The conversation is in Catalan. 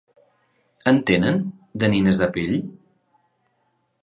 En tenen, de nines de pell?